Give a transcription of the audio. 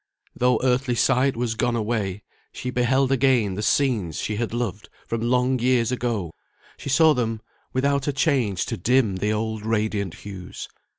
Though earthly sight was gone away, she beheld again the scenes she had loved from long years ago! she saw them without a change to dim the old radiant hues.